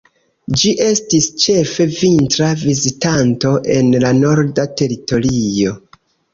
Ĝi estas ĉefe vintra vizitanto en la Norda Teritorio.